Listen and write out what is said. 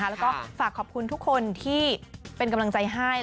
แล้วก็ฝากขอบคุณทุกคนที่เป็นกำลังใจให้